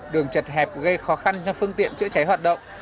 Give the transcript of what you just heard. đường chật hẹp gây khó khăn cho phương tiện chữa cháy hoạt động